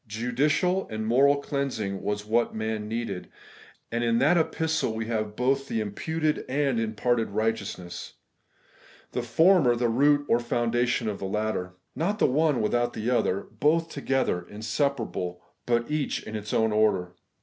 Judicial and moral cleansing was what man needed ; and in that epistle we have both the imputed and imparted righteousness ; the former the root or foundation of the latter. Not the one without the other; both together, inseparable ; but each in its own order.